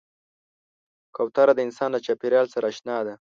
کوتره د انسان له چاپېریال سره اشنا ده.